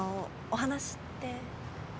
お話って？